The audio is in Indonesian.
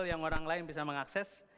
yang orang lain bisa mengakses